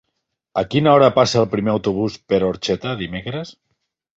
A quina hora passa el primer autobús per Orxeta dimecres?